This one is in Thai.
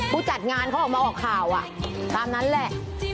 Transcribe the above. ผู้จัดงานเขาออกมาออกข่าวตามนั้นแหละ